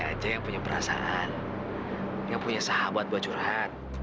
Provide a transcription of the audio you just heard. aja yang punya perasaan yang punya sahabat buat curhat